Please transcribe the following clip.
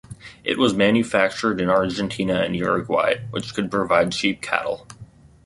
It was manufactured in Argentina and Uruguay which could provide cheap cattle.